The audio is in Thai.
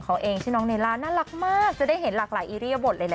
อันนี้เน้นลูกครับไม่เน้นพ่อแม่